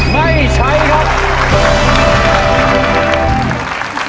ไม่ใช้ครับ